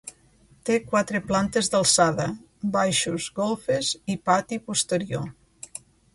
Té quatre plantes d'alçada, baixos, golfes i pati posterior.